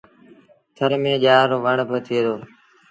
ٿر ميݩ ڄآر رو وڻ با ٿئي دو۔